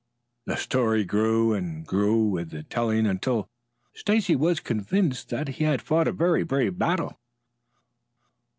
The story grew and grew with the telling until Stacy was convinced that he had fought a very brave battle.